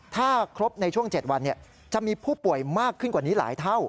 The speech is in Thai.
ถ้าครบในช่วง๗วันจะมีผู้ป่วยมากขึ้นกว่านี้หลายเท่า